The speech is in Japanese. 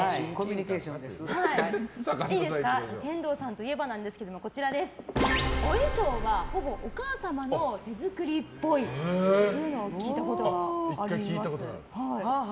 天童さんといえばなんですけど追証はほぼお母様の手作りっぽい。っていうのを聞いたことがあります。